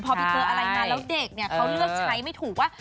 พอไปเจออะไรมาแล้วเด็กเนี่ยเขาเลือกใช้ไม่ถูกว่า